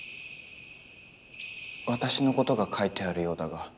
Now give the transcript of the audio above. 私のことが書いてあるようだが。